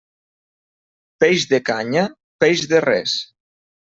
Peix de canya, peix de res.